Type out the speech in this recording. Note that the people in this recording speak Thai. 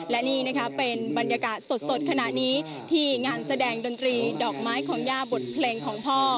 และนี่นะคะเป็นบรรยากาศสดขณะนี้ที่งานแสดงดนตรีดอกไม้ของย่าบทเพลงของพ่อ